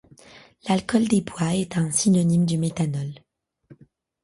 L'alcool de bois est un synonyme du méthanol.